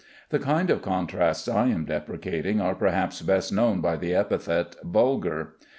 The kind of contrasts I am deprecating are perhaps best known by the epithet "vulgar."